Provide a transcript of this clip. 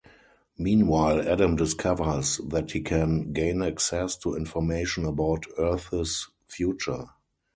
Meanwhile, Adam discovers that he can gain access to information about Earth's future.